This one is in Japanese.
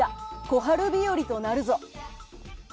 小春日和となるぞ。